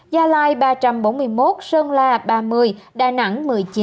gia lai ba trăm bốn mươi một sơn la ba mươi đà nẵng một mươi chín